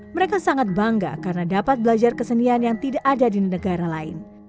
mereka sangat bangga karena dapat belajar kesenian yang tidak ada di negara lain